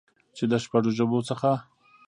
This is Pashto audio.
چې د شپږ ژبو څخه